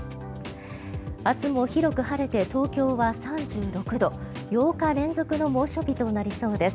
明日も広く晴れて東京は３６度８日連続の猛暑日となりそうです。